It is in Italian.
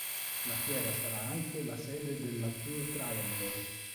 La fiera sarà anche la sede della Tour Triangle.